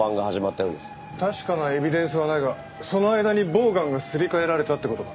確かなエビデンスはないがその間にボウガンがすり替えられたって事か。